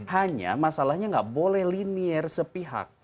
hanya masalahnya gak boleh linear sepihak